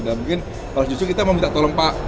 dan mungkin harus justru kita mau minta tolong pak